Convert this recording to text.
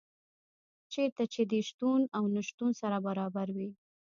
چېرته چي دي شتون او نه شتون سره برابر وي